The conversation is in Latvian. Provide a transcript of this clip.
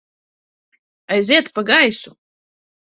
Aiziet pa gaisu!